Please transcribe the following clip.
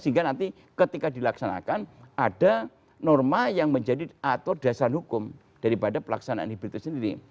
sehingga nanti ketika dilaksanakan ada norma yang menjadi atur dasar hukum daripada pelaksanaan hibrid itu sendiri